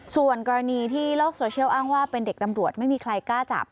ส่วนกรณีที่โลกโซเชียลอ้างว่าเป็นเด็กตำรวจไม่มีใครกล้าจับ